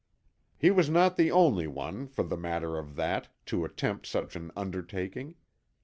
He was not the only one, for the matter of that, to attempt such an undertaking.